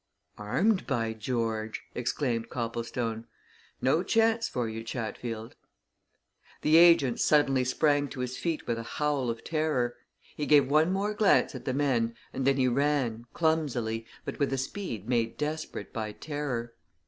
"Armed, by George!" exclaimed Copplestone. "No chance for you, Chatfield!" The agent suddenly sprang to his feet with a howl of terror. He gave one more glance at the men and then he ran, clumsily, but with a speed made desperate by terror.